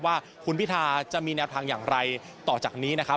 ว่าคุณพิธาจะมีแนวทางอย่างไรต่อจากนี้นะครับ